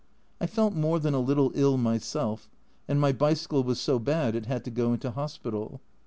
I felt more than a little ill myself, and my bicycle was so bad it had to go into hospital.